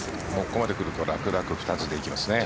ここまで来ると楽々２つでいきますね。